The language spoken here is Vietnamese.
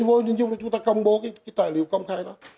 vô hình dung là chúng ta công bố cái tài liệu công khai đó